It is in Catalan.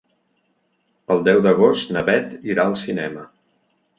El deu d'agost na Bet irà al cinema.